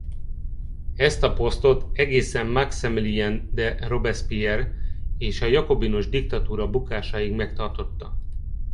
Ezt a posztot egészen Maximilien de Robespierre és a jakobinus diktatúra bukásáig megtartotta.